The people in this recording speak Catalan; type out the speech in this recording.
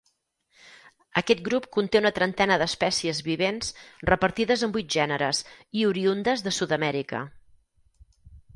Aquest grup conté una trentena d'espècies vivents repartides en vuit gèneres i oriündes de Sud-amèrica.